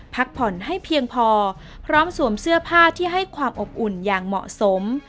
พักผ่อนให้เพียงพอพร้อมสวมเสื้อผ้าที่ให้ความอบอุ่นอย่างเหมาะสม